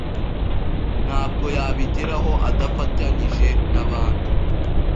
ntabwo yabigeraho adafatanyije n’abandi